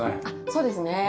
そうですね。